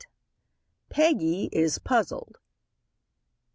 PEGGY IS PUZZLED.